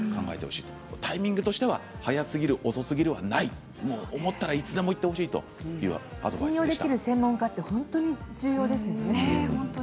タイミングとしては早すぎる、遅すぎるはない思ったらいつでも行ってほしいというアドバイスでした。